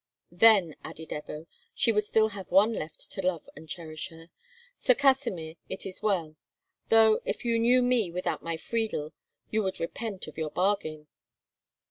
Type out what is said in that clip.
"Then," added Ebbo, "she would still have one left to love and cherish her. Sir Kasimir, it is well; though, if you knew me without my Friedel, you would repent of your bargain."